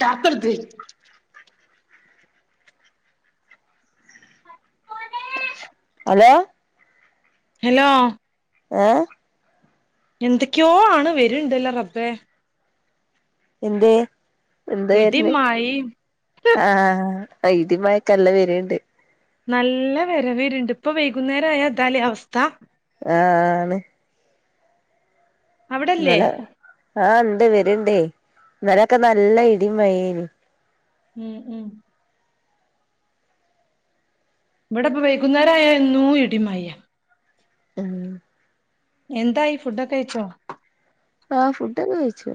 ഡാകാൽദേ hello hello ഏ എന്തെക്കെയോ ആണ് വരുണ്ടല്ലോ റബേ എന്തെ എന്ത് ഇടിം വര്ന്ന് മഴിം ആഹ ആ ഇടിം മഴയ്ക്കല്ല വര്ണ്ട് നല്ല വരവേര്ണ്ട് ഇപ്പൊ വൈകുന്നേര ആയാ ഇതല്ലേ അവസ്ഥ? ആ ആണ് അവിടല്ലേ നല്ല ആന്ന് വരണ്ടേ ഇന്നലൊക്കെ നല്ല ഇടീം മഴന് ഉം ഉം ഇവിടെപ്പൊ വൈകുന്നേരായര്ന്നു ഇടീം മഴയ ഉം എന്തായീ ഫുഡൊക്കെ കയിച്ചോ? ആഹ് ഫുഡോക്കെ കഴിച്ചു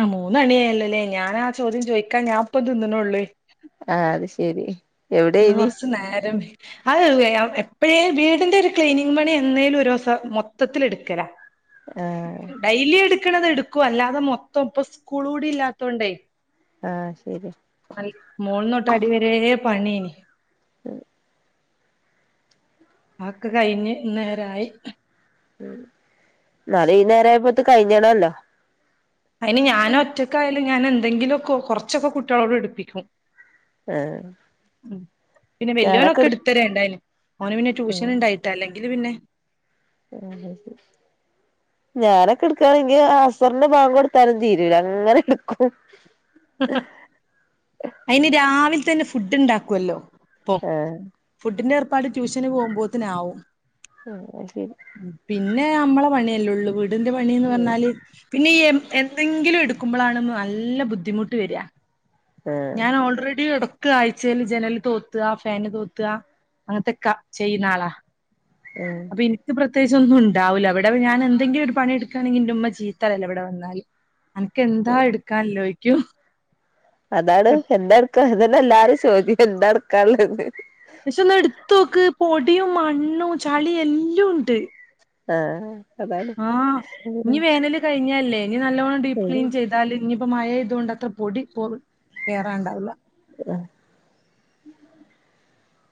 ആ മൂന്നണിയായല്ലോല്ലേ ഞാനാ ചോദ്യം ചോദിക്കാ ഞാൻ ഇപ്പ തിന്നന്നൊള്ള്. ആ അത് ശരി ഇന്ന് കൊറച്ചു നേരം അത് എപ്പയെല്ലും വീടിന്റെ ഒരു ക്ലീനിങ് പാണി എന്തേലും ഒരുസം മൊത്തത്തിൽ എടുക്കല. ആ ണത് എടുക്കുവ അല്ലാതെ മൊത്തം ഇപ്പം സ്കൂൾ കൂടി ഇല്ലാത്തോണ്ടേ. ആ ശരി. മോളന്നൊട്ട് അടിവരേ പണീ. ഉം ആക്ക് കഴിഞ്ഞ് നേരായി. നാളെ ഈ നേരായപ്പോ ഇത് കഴിഞ്ഞണല്ലോ. അയിന് ഞാനും ഒറ്റക്കായ ഞാൻ എന്തെങ്കിലും കുറ കുറച്ചൊക്കെ കുട്ടികളോട് എടുപ്പിക്കും. ആഹാ ഉം പിന്നെ വല്വനൊക്കെ എടുത്തര ഉണ്ടായന് ഓന് പിന്നെ ട്യൂഷൻ ആഹ് ഉണ്ടായിട്ട അല്ലെങ്കി ഇത് പിന്നെ? ഞാനൊക്കെ എടുക്കവാണെങ്കി അസറിന്റെ ഭാങ്ക് കെടുത്താലും തീരൂല്ല. അങ്ങനെ എടുക്കും. അയിന് രാവി തന്നെ ഫുഡ് ഇണ്ടാക്കുല്ലോ പോ ആഹ് ഫുഡിൻ്റെ ർ പപ്പാട് ട്യൂഷന് പോകുമ്പോത്തനാകും ഉം അയ് ശെരി പിന്നെ നമ്മളെ പണിയല്ലള്ളു വീ ന്റെ പണിന്ന് പറഞ്ഞാല് പിന്നെ ഈ എം എന്തെങ്കിലും എടുക്കുമ്പളാണ് നല്ല ബുദ്ധി ബുദ്ധിമുട്ട് വര ആഹ് ഞാൻ ഓൾറെഡി എടക്ക കാഴ്ചൽ ജനല് തോത്ത ഫാന് തോത്ത അങ്ങനത്തക്കെ ചെയ്യുന്നാള ഉം അപ്പൊ ഇൻക്ക് പ്ര പ്രതേകിച്ചു ഒന്നും ഉണ്ടാവില്ലവിടെ ഞാ എന്തങ്കിലും ഒരു പണിെടുക്കുകണെങ്കിൽ എന്റെമ്മ ചീത്താറയലാ ഇവിടെ വന്നാല് എനക്ക് എന്താ എടുക്കാൻ ല്ലോ ക്യു അതാണ് എന്താ അതന്നെ എല്ലാരും ചോദ്യം എന്താ എടുക്കാള്ളന്ന് പക്ഷെ ഒന്ന് എടുത്ത നോക്ക് പോ പൊടിയും മണ്ണും ചളിയു എല്ലുണ്ട് ആഹ് അതാണ് ആഹ് ഇനി വേനല് കഴിഞ്ഞല്ലേ ഇനി നല്ലോണം ഡീപ്പ് ഉം ക്ലീൻ ചെയ്താല് ഇഞ്ഞി മയായതോണ്ടത്ര പൊടി പൊ കേറണ്ടാവില്ല.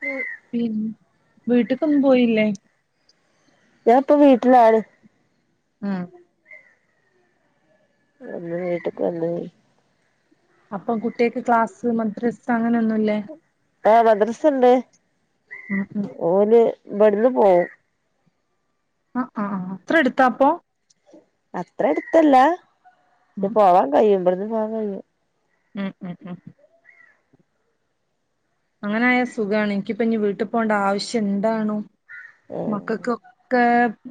ഉം ഉം വീട്ട്ക്കൊന്നും പോയില്ലേ? ഞാൻ ഇപ്പൊ വീട്ടിലാണ്. ആഹ് ഇന്ന് വീട്ടക്ക് വന്ന്. അപ്പൊ കുട്ടികൾക്ക് ക്ലാസ് മദ്രസ അങ്ങനെയൊന്നുമില്ലേ? ആഹ് മദ്രസണ്ട് ഉം ഉം ഓന് ഇവിടുന്നു പോകും. ആഹ് ആഹ് അത്ര എടുത്താപ്പൊ? അത്ര അടുത്തല്ല ച്ച് ഉം പോവാൻ കയ്യോ ബ്ടിന്ന് ആ കയ്യും ഉം ഉം ഉം അങ്ങനായ സുഖാ ണ് എനിക്കിപ്പോ ഇനി വീട്ടിൽ പോകേണ്ട ആവശ്യം എന്താണോ ആഹ് മക്കക്കൊക്കെ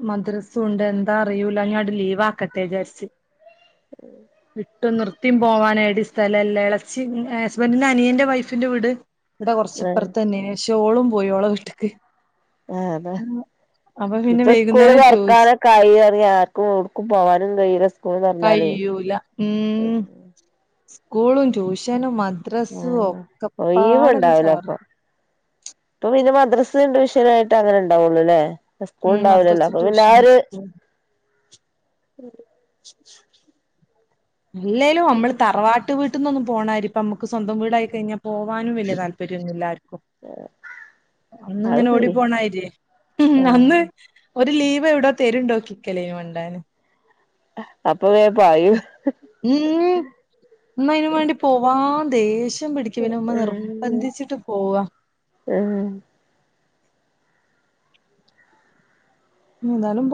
മദ്രസൂണ്ട് എ ന്താ അറിയൂല്ല ഇനി അങ്ങിട് ലീവാ ക്കട്ടെ വിചാരിച്ച് [inaudible] ട്ട് നിർത്തീം പോവാൻ ഏടീം സ്ഥലല്ല എ ളേച്ചി ഹസ്ബൻറിന്റെ അനിയന്റെ വൈഫിന്റെ വീട് ഇവ് ടെ കൊ റച്ച് ഇപ്പർ ആഹ് ത്തന്നേ ഓളും പോയി ഓളെ വീട്ടിക്ക് ആ താ പിന്നെ ഇപ്പ സ്കൂള് വൈകുന്നേരം ചോയിച്ച് തൊറക്കാനൊക്കെ ആയി അറി യാ ആർക്കും എവിട്ക്കും പോകാനും കയ്യൂല സ്ക്കൂള് തൊറന്നാലെ കയ്യൂല സ്ക്കൂളും ട്യൂഷനും മ ദ്രസും ഒക്കെ പാടെ [unintelligible] ഇപ്പൊ പിന്നെ മദ്രസ് [unintelligible] അങ്ങനെ ഉണ്ടാവുള്ളു ല്ലേ ഉം സ്കൂൾണ്ടാവൂലല്ലോ മദ്രസും അപ്പൊ പിന്നെ ആ ട്യൂഷനും ഒരു [inaudible] സ്കൂളും അല്ലേലും ഞമ്മള് തറവാട് വീട്ട്ന്നൊന്നും പോണാരി ഇപ്പം മ്മക്ക് സ്വന്തം വീടായി കഴിഞ്ഞാ പോവാനും വെല്യ താല്പര്യന്നും ല്ലആര് ക്കും അന്ന് അത് ങ്ങനെ ഓടി ശരി പോണാരിയേ ഉം അന്ന് ആഹ് ഒരു ലീവ് എവിടോ തര്ണ്ടോക്കിക്കലെ മണ്ടാന് ആഹ് അപ്പൊ വേ പായും ഉമ്മ് ഇന്ന് അയിനും വേണ്ടി പോവാ ദേഷ് പിടിക്കൂന ഉമ്മ നിർബന്ധിച്ചിട്ട് പോവ ആഹ് എന്താലും പോവണം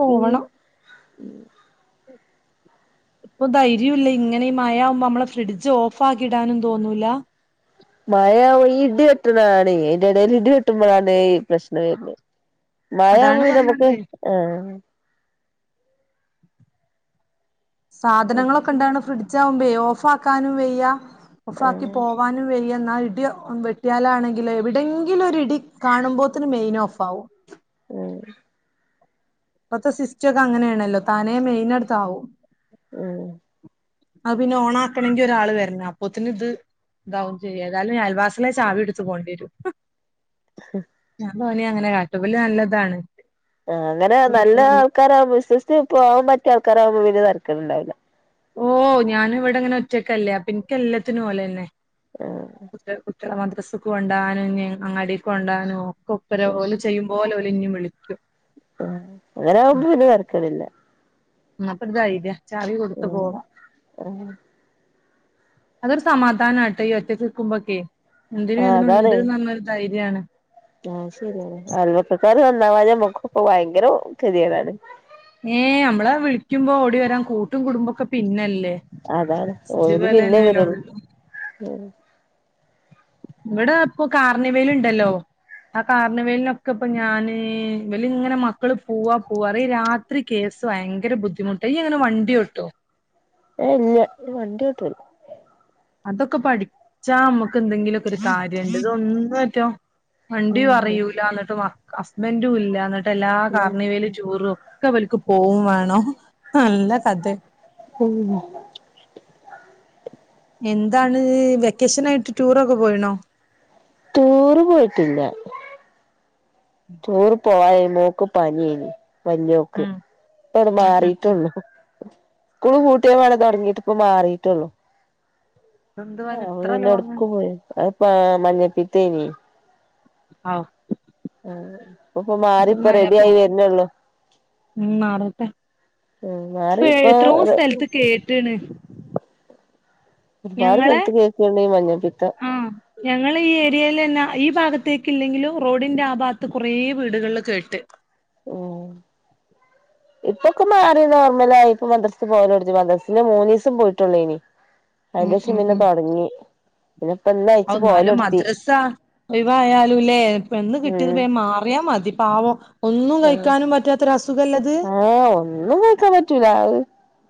ഇപ്പൊ ധൈര്യം ഇല്ല ഇങ്ങനെ ഈ മയാവുമ്പോ നമ്മളെ ഫ്രിഡ്ജ് ഓഫ് ആക്കി ഇടാനും തോന്നൂല്ല മയ ആവു ഈ ഇടി വെട്ടണാ ണെ അയിന്റെ എടേല് ഇടി വെട്ടുമ്പോഴാണ് ഈ പ്രശ്നം വരുന അതാണ് മയആവുമ്പോപിനമ്മക്ക് പറഞ്ഞത് ആ സാധനങ്ങളൊക്കെ ഉണ്ടാണ് ഫ്രിഡ് ജ് ആവുമ്പേ ഓഫാക്കാനും വയ്യ ഓഫാക്കി ആഹ് പോവാനും വെയ്യ ഇന്നാ ഇ ടി വെട്ടിയാലാണെങ്കിൽ എവിടെയങ്കിലും ഒരു ഇടി കാണുമ്പോത്തിന് മെയിൻ ഓഫ് ആവും ഓ ഇപ്പത്തെ സിസ്റ്റൊക്കെ അങ്ങനെണെല്ലോ താനേ മെയിന് ആണ് താവും. ആ അത് പിന്നെ ഓണാക്കണെങ്കില് ഒരാള് വെരണം. അപ്പോത്തിന് ഇത് ഇതാവും ചെയ്യും ഏതായാലും ഞാൻ അയൽവാസ് ട്ട്ലെ ചാവിട്ത് പോണ്ടിരും ഹ് ഓനി അങ്ങനെ കാട്ടു, ഇബല് നല്ല ഇതാണ്. ആ അങ്ങനെ നല്ല ആൾക്കാരാവുമ്പോ വിശ്വസിച്ച് പോവാൻ പറ്റിയ ആൾ ക്കറാവുമ്പോ പിന്നെ തെരക്കട്ണ്ടാവുല. ഓ ഞാനിവിടെങ്ങനെ ഒറ്റക്കല്ലേ അപ്പെൻക്ക് എല്ലത്തിന് ഓലെന്നെ. ആഹ് [inaudible] കള മദ്രസ്സക്ക് കൊണ്ടാനും എന്നെ അങ്ങാടിക്കൊണ്ടാനോ കൊപ്പര പോല ചെയ്യുമ്പോല ഓല് ഇനീം വ് ളിക്കും. ആ അങ്ങനെ ആവുമ്പോ പിന്ന വരക്കണില്ല. ന്നാ ഇപ്പോര് ദൈ [unintelligible] അച്ചാറി കൊടുത്ത് ഉം പോണം. ഉം അതൊരു സമാധാനാട്ട ഈ ഒറ്റക് നിക്കുമ്പോക്കെ എന്തിനും ആഹ് അതാണ് ഏതിനുണ്ട് ന്ന് പറഞ് ഒരു ധൈര്യ ര്യാണ്. കാറ് നന്നാവാതെ മഖോ [unintelligible] ക്ക ഭയങ്കര കതികേടാണ് ഏയ് നമ്മളെ വിളിക്കുമ്പോ ഓടി വരാൻ കൂട്ടും കുടുംബൊക്കെ പിന്നല്ല അതാണ് ഓര് പിന്നേ വരുള്ളൂ ആഹ്. ഇവിടെ ഏഹ് ഇല്ല വണ്ടി ഓട്ടൂല്ല. അതൊക്കെ പഠിച്ച മ്മക് ക്കെന്തെങ്കിലു ഒക്കെ ഒരു കാര്യണ്ട് ഇതൊന്ന് പറ്റ് ഓ വണ്ടി അറിയൂല്ല എന്നിട്ട് വ ഹസ്ബന്റും ഇല്ല ന്ന്ട്ട് ട്ടെല്ലാ കാർണിവൽ ടൂറും ഒക്കെ ഇവല്ക് പോവും വേണോഹ് നല്ല കദേ എന്താണ് വെക്കേഷനായിട്ട് ടൂറൊക്കെ പോയിണോ ടൂറ് പോയിട്ടില്ല റ്റുറ് പ് പോയ മോക്ക് പനിയാ നി വല്ല്യോക്ക് ഉം ഇപ്പങ്ങട്ട് ഉം ഉം ഉം മാറിട്ടോള്ളു സ്കൂൾ പൂട്ടിയ പാടെ തുടങ്ങിയിട്ട് ഇപ്പ മാറിട്ടോള്ളു. ആ ഇതെന്തുവാന് അവര് ഇത്ര പിന്ന ലോങ്ങ് അവിടെക്ക് പോയി അപ് ആഹ് മഞ്ഞപ്പിത്തേനി [unintelligible] ആഹ് ആഹ് അപ്പ ഇപ്പ മാറിപ്പ റെഡി ആയി വരുന്നെള്ളു ഉം മാറട്ടെ ഉം ഇപ്പ മാറിപ്പ എത്രോ റ സ്ഥലത്ത് കേട്ട്ണ് ഞങ്ങളെ ഈ മഞ്ഞപ്പിത്തം ആഹ് ഞങ്ങള ഈ ഏരിയെല് ന്നാ ഈ ഭാഗത്തേക്കില്ലെങ്കിലും റോഡിന്റെ ആഭാഗത്ത് കുറേ വീടുകളിലു കേട്ട് ഉ ഇപ്പൊക്കെ മാറി നോർമലായി. മദ്രസ പോയാലൊടുത്തി. മദ്രസ മൂന്നോസം പോയിട്ടുള്ളനി അതിന്റെശിപിന്ന തൊടങ്ങി ഔന്നാലും മദ്രസ ഒയിവായാലുല്ലേ വന്ന് കിട്ടിയതമറിയാലും മതി. പാവോ ആ ആഓ ഒന്നും കേക്കാൻ പറ്റൂല അത്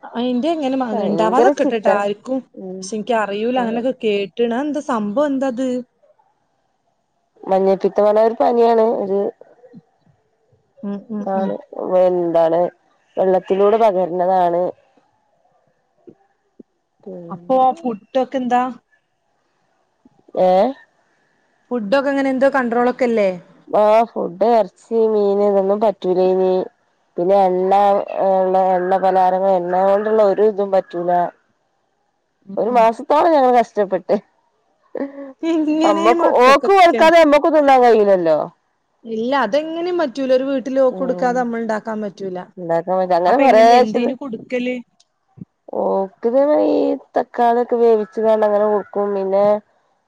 അ അന്റെ എങ്ങനെ മ ഉണ്ടാവും ഭയങ്കര ചിട്ട അതൊക്കെട്ടിട്ട് ആർരിക്കും ഉം പ എനിക്ക അറിയിൂല്ല അതെ അങ്ങനെയൊക്കെ കേട്ട [unintelligible] ട്ടണന്തേ സംഭവം എന്താ അത് ട്ട്? മഞ്ഞപ്പിത്ത വള ഒരു പനിയാണ് ഇതെ ഉം ഉം ന ഉം വ [unintelligible] ആണ് വെള്ളത്തിലൂടെ പകരുന്നതാണ്. അപ്പൊ ആ ഫുഡൊക്കെന്താ? ഏ ഫുഡ് ഒക്കെ എങ്ങനെ എന്തോ കണ്ടടോൾ ഒക്കെയല്ലേ? ആഹ് ഫുഡ് ഇറച്ചി മീനെ ഇതൊന്നും പറ്റൂല്ലിനി പിന്നെ എണ്ണ ഉള്ള എണ്ണപലാരങ്ങ എണ്ണ കൊണ്ടുള്ള ഒരു ഇതും പറ്റൂല. ഉം ഒരു ഉം മാസത്തോളം ഞങ്ങൾ കഷ് ഇഷ്ടപ്പെട്ട് എങ്ങനെ അമ്മക്ക് ഓക്ക് മക്കക്കൊക്കെ കൊടുക്കാതെ അമ്മക്ക കഴയില്ലല്ലോ [unintelligible] ഇല്ല അതെങ്ങനെയും പറ്റൂല ഒരു വീട്ടില ഓക്കു കൊടുക്കാതെ നമ്മളി ണ്ടാക്കാൻ പറ്റ എണ്ടാക്കാൻ അങ്ങനെ ഫച്ചത് കൊടുക്കല് ഓക്ക [unintelligible] തക്കാളി ഒക്കെ വേവിിച്ചു തന്നെ അങ്ങനെ തന്നെ കൊടുക്കും പിന്നെ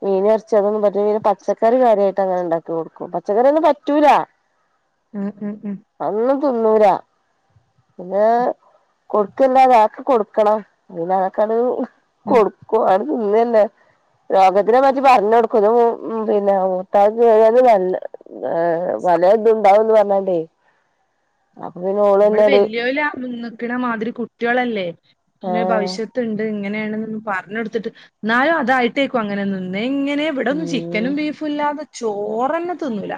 മീനിറച്ചീ അങ്ങിനൊന്നും പറ്റൂല്ല പിന്നെ പച്ചക്കറി കാര്യമായിട്ട് അങ്ങനെ ഉണ്ടാക്കി കൊടുക്കും പച്ചക്കറി ഒന്നും പറ്റൂല. ആഉ ഉം തൊണ്ണൂരാ പിന്നെ കൊടുക്കില്ലാത ആർക്ക കൊടുക്കണം പിന്നെ അതൊക്കൊരു ഉം കൊടുക്ക അ [unintelligible] ഇന്നന്നെ രോഗത്തിനെ മാറ്റി പറഞ്ഞ കൊടുക്കുന്നു ഉ പിന്നെ മൂത്താ കഞ്ഞ നല്ല ആ് പല ഇത്ണ്ടാവന്ന് പറ തെ [unintelligible] നമ്മളെ വല്യോല നിന്നിക്കണ മാതിരി കൂട്ട കുട്ടികളല്ലേ പിന്നെ ഏഹ് ഭവിഷ്യത്തുണ്ട് ഇങ്ങ എങ്ങനെയണൊ പറഞ്ഞു കൊടുത്തിട്ട് എന്നായും അതായിട്ടേക്കും അങ്ങനെന്നെ എങ്ങനെ വ്ടൊന്നും ഉം ചിക്കനും ബീഫുല്ലാതെ ചോറന്നെ ത്തിന്നൂല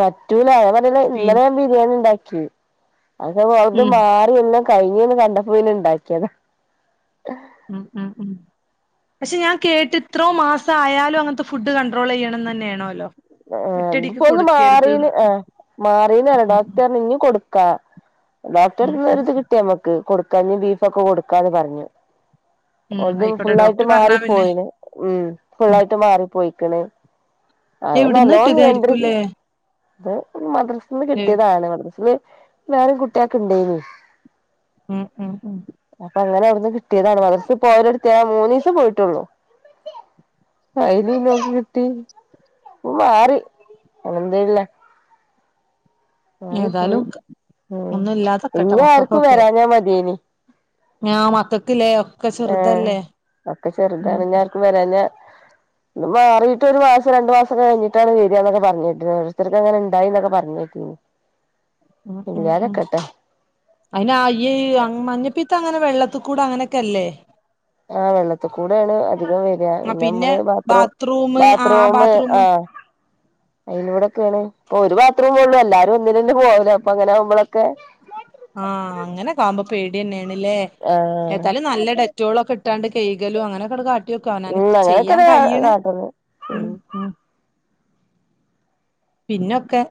പറ്റൂല ഒവ [unintelligible] ഇന്നലാൻ ബിരിയാണിണ്ടാക് ഉം അത് വഅത് ഉം മാറിയെല്ലാം കഴിഞ്ഞീന്ന് കണ്ടപ്പോയിന് ണ്ടാക്കിയത ഉം ഉം ഉം പക്ഷെ ഞാൻ കേട്ട് ഇത്രോ മാസ ആയാലു അങ്ങൻത്തെ ഫുഡ് കൺണ്ട്രോളെയ്യണംന്നന്നേണോലോ ഇതൊക്കെ പ്പന്ന് മാറീൻ ഉം ഉം ഡോക്ടർ പറഞ്ഞു ഇനി കൊടുത്തോ ക്ക ഡോക്ട്രെ ഉം ഉം ഉം ത്ത്ന്ന് [unintelligible] കിട്ടിയമ്മക്ക് കൊടുക്കഞ് ബീഫൊക്കെ കൊടുക്കാന്ന് പറഞ്ഞ് ഉം ഒതും ആയിക്കോട്ടെ ഫുള്ളായിട്ട് ഡോക്ടർ പറഞ്ഞാ പിന്നെ മാറിപ്പോയിണ് ഉം ഉം ഫുള്ളായിട്ട് മാറി പോയിക്ക്‌ണ് അഹ് എവിടുന്ന് നല്ലോ നിയന്ത്രിക് കിട്ടിയതായിരിക്കുംല്ലേ [unintelligible] ന്ന് കിട്ടിയതാണ് [unintelligible] വേറിം കുട്ടിയേക്ക്‌ ഇണ്ടേഞ് ഉം ഉം ഉം ങ്ഹ് കിട്ടിയതാണ് [unintelligible] പോയരട്ത്ത് അ മൂന്നീസം പോയിട്ടുള്ളൂ അയില്ങ്ങൾക്ക്‌ കിട്ടി ഉപൊ മാറി [unintelligible] മാറി പോയി ഏതായാലും ഉ ഒന്നും ഇല്ലാതക്കട്ടെ ഇങ്ങ ആര്ക്കും വരാഞാ മതിയേനി ഞാ മക്കക്കില്ലയോ ആ ഒക്കെ ഉം ചെറുതാണ് ഞാർക്കും വരാഞാ ഞ് മാറിയിട്ട് ഒരു മാസം രണ്ടു മാസൊകെ കഴിഞ്ഞിട്ടാണ് വര്അന്നൊക്കെ പറഞ്ഞീട്ട് ഒരുര്ത്തര്ക്ക് അങ്ങനെ ഇണ്ടായിന്നൊക്കെ പറഞ്ഞേട്ടിഞ് ഉം ഉം ഉം അയിനാ യീ അ അങ് മഞ്ഞപ്പിത് ത്ത അങ്ങനെ വെള്ളത്ത്ക്കൂടെ അങ്ങനൊക്കെല്ലേ ആ വെള്ളത്ത് കൂടേണ് അ [unintelligible] വര്കാ ആ പിന്നെ പിന്നെമ്മള് ബാത്ത്റൂ ബാത്റൂമ് ആ ബാത്ത്റൂമ് ആ ബാത്റൂമ് അയിലൂടെക്കേണ് ഒരു ബാത്ത് റുമെ ഒള്ളു എല്ലാരും ഒന്നിലന്നെ പോകല് അപ്പൊ അങ്ങനെ അമ്മളക്കെ ആ അങ്ങനെക്കാമ്പോ പേട്യന്നെ ന്ന്ല്ലേ ആഹ് എത്താലും നല്ല ഡെറ്റോളൊക്കെ ഇട്ടാണ്ട് കെയ്കലു അങ്ങനൊക്കട് കാട്ടിയൊക്കെ അവനാന് ഉം ചെയ്യാൻ അങ്ങനൊക്കെയാണ് കയ്യിണേ കാട്ടല് ഉം ഉം പിന്നൊക്കെ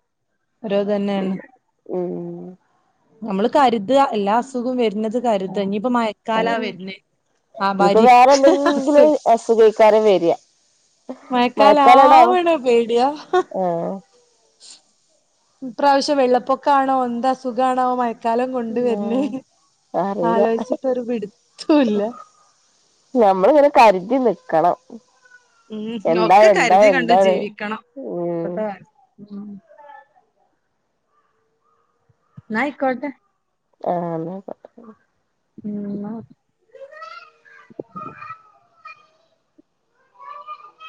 ഓരോ ഉം തന്നെയാണ് ഉം നമ്മള് കര്താ എല്ലാ അസുകോം വര്ണ ത് കര്താ ഇനിപ്പം മയക്കാലാ അതന്നെ വര്ണെ ആ ഇനിയിപ്പോ വേറെ ബരിക്ക് എന്തെങ്കിലും അസുഖ അസുഖക്കാരം വരിക മഴക്കാലണ്ടാവും മയക്കാലാവ്ണെ പേടിയാ ഹാ ഇ പ്രാവശ്യം വെള്ളപ്പൊക്കണോ എന്താസുഖണോ മ ആ അറീല ആലോചിച്ചിട്ടൊരു പിടുത്തവുമില്ല. നമ്മളിങ്ങനെ കര്തി നിക്കണം മ്മ് എന്താ ഒക്കെ എന്താ കരുതി കണ്ടും എന്താണ് ജീവിക്കണം ഉം ഇപ്പത്തെ കാ ഉം ന്നാ ആയ്ക്കോട്ടെ ആ ന്നാ മ്മ് ന്നാ